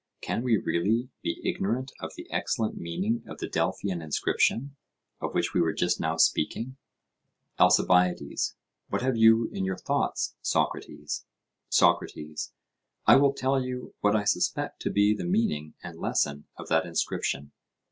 Can we really be ignorant of the excellent meaning of the Delphian inscription, of which we were just now speaking? ALCIBIADES: What have you in your thoughts, Socrates? SOCRATES: I will tell you what I suspect to be the meaning and lesson of that inscription.